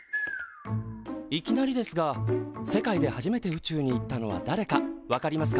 いきなりですが世界で初めて宇宙に行ったのはだれかわかりますか？